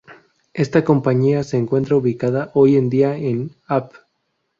Esta compañía se encuentra ubicada hoy en día en Av.